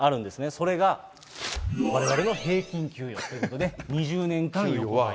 それがわれわれの平均給与ということで、２０年間。